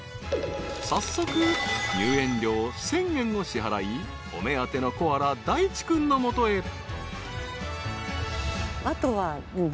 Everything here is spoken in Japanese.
［早速入園料１，０００円を支払いお目当てのコアラだいち君の元へ］